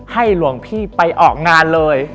หลวงพี่ไปออกงานเลย